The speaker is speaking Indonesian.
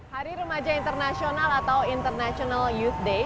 hari remaja internasional atau international youth day